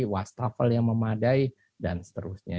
wash travel yang memadai dan seterusnya